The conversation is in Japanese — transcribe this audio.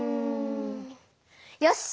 よし！